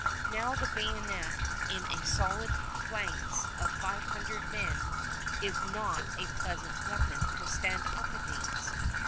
Now the bayonet in a solid phalanx of five hundred men is not a pleasant weapon to stand up against.